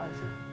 pulang ke wazir